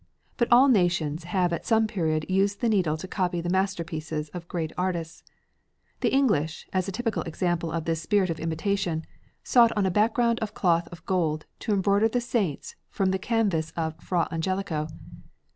But all nations have at some period used the needle to copy the masterpieces of great artists. The English, as a typical example of this spirit of imitation, sought on a background of cloth of gold to embroider the saints from the canvas of Fra Angelico.